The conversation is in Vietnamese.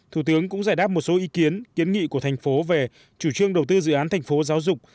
thủ tướng cũng giải đáp một số ý kiến kiến nghị của thành phố về chủ trương đầu tư dự án thành phố giáo dục